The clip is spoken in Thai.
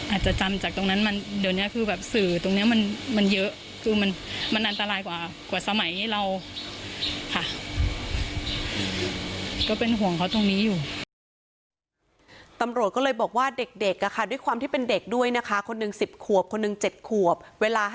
อาจจะจำจากตรงนั้นเดี๋ยวนี้คือแบบสื่อตรงนี้มันเยอะ